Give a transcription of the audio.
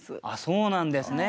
そうなんですね。